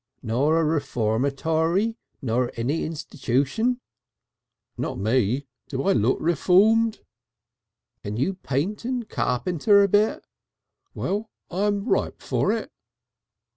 "Nor a reformatory? Nor any institution?" "Not me. Do I look reformed?" "Can you paint and carpenter a bit?" "Well, I'm ripe for it."